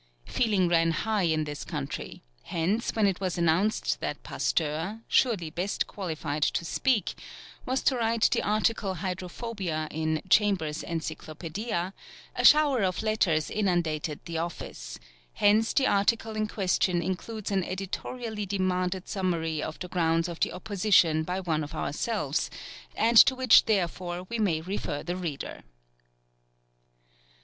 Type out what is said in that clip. Feeling ran high in this country; hence, when it was announced that Pasteur surely best qualified to speak was to write the article Hydrophobia in "Chamber's Encyclopædia," a shower of letters inundated the office; hence the article in question includes an editorially demanded summary of the grounds of the opposition by one of ourselves, and to which therefore we may refer the reader.